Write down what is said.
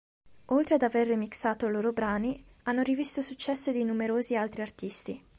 Oltre ad aver remixato loro brani, hanno rivisto successi di numerosi altri artisti.